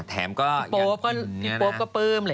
แถมก็อยากกินนี่นะ